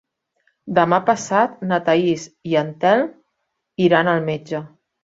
Demà passat na Thaís i en Telm iran al metge.